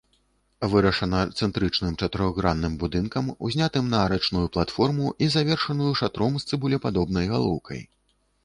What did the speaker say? Вырашана цэнтрычным чатырохгранным будынкам, узнятым на арачную платформу і завершаную шатром з цыбулепадобнай галоўкай.